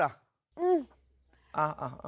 อ่าให้ฆ่า